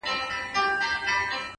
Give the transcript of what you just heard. • د مسجد لوري ـ د مندر او کلیسا لوري ـ